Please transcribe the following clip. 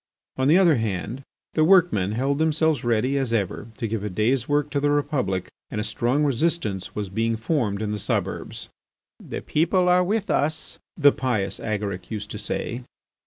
On the other hand, the workmen held themselves ready, as ever, to give a day's work to the Republic, and a strong resistance was being formed in the suburbs. "The people are with us," the pious Agaric used to say.